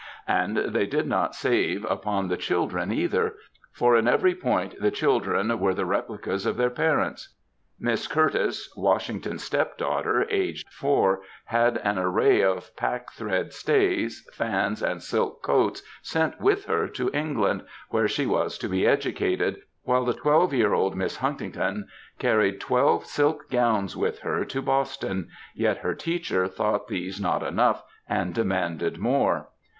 ^ And they did not save " upon the children either ; for in every point the children were the replicas of their parents. Miss Curtis, Washington's stepdaughter, aged four, had an array of pack thread stays, fans, and silk coats sent with her to England, where she was to be educated, while the twelve year old Miss Huntington carried twelve silk gowns with her to Boston, yet her teacher thought these not enough, and demanded more.